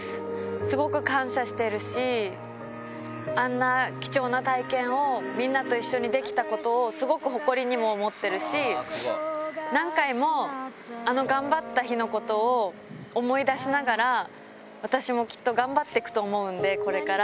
すごく感謝してるし、あんな貴重な体験を、みんなと一緒にできたことを、すごく誇りにも思ってるし、何回も、あの頑張った日のことを思い出しながら、私もきっと頑張っていくと思うんで、これから。